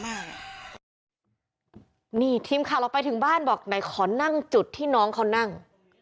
มันน่ากลัวมากนี่ทีมค่ะเราไปถึงบ้านบอกไหนขอนั่งจุดที่น้องเขานั่ง